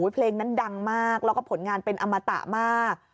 เพลงนั้นดังมากแล้วก็ผลงานเป็นอมตะมาก